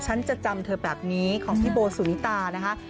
ฉันจะจำเธอแบบนี้ของพี่โบสุนิตานะคะ